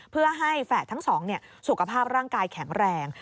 เพื่อให้แฝดทั้งสองสุขภาพร่างกายแข็งแรง